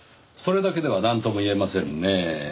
それだけではなんとも言えませんねぇ。